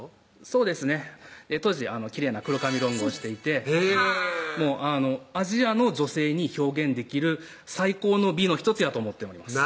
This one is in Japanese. そうですね当時きれいな黒髪ロングをしていてへぇはぁアジアの女性に表現できる最高の美の１つやと思ってます